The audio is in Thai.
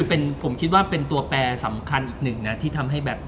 อันนี้ถือเป็นตัวแปรสำคัญอีกนึงที่ทำให้แบบ